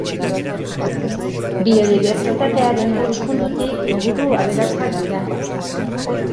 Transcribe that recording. Biodibertsitatearen ikuspuntutik inguru aberatsak dira.